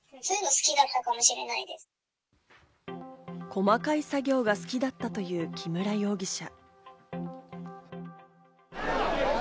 細かい作業が好きだったという木村容疑者。